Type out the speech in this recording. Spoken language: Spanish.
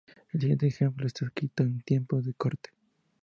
El siguiente ejemplo está escrito en tiempo de corte.